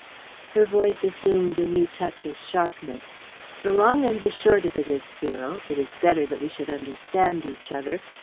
Her voice assumed a new touch of sharpness. "The long and the short of it is, Cyril it is better that we should understand each other!